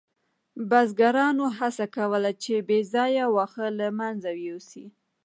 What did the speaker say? بزګرانو هڅه کوله چې بې ځایه واښه له منځه یوسي.